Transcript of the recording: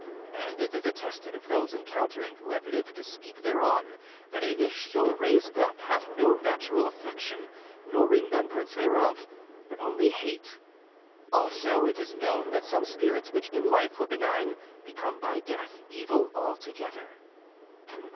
And it is attested of those encountering who have lived to speak thereon that a lich so raised up hath no natural affection, nor remembrance thereof, but only hate. Also, it is known that some spirits which in life were benign become by death evil altogether.